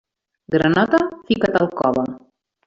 Granota, fica't al cove.